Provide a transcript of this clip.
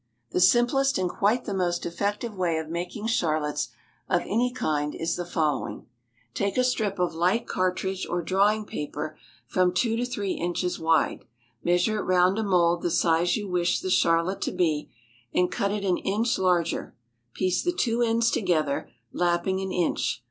_ The simplest and quite the most effective way of making charlottes of any kind is the following: Take a strip of light cartridge or drawing paper from two to three inches wide, measure it round a mould the size you wish the charlotte to be, and cut it an inch larger; piece the two ends together, lapping an inch.